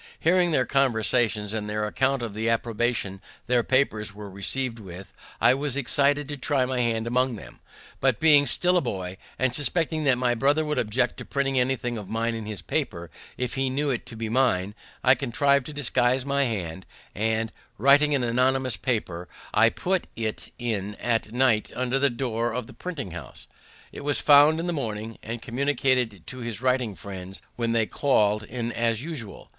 Hearing their conversations, and their accounts of the approbation their papers were received with, I was excited to try my hand among them; but, being still a boy, and suspecting that my brother would object to printing anything of mine in his paper if he knew it to be mine, I contrived to disguise my hand, and, writing an anonymous paper, I put it in at night under the door of the printing house. It was found in the morning, and communicated to his writing friends when they call'd in as usual.